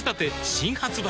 新発売